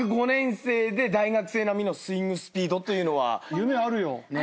夢あるよ。